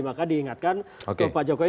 maka diingatkan rapa jokowi